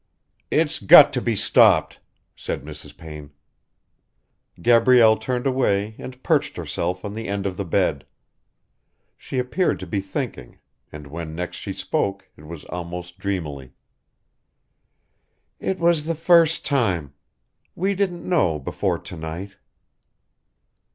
"It's got to be stopped," said Mrs. Payne. Gabrielle turned away and perched herself on the end of the bed. She appeared to be thinking, and when next she spoke it was almost dreamily. "It was the first time. We didn't know before to night."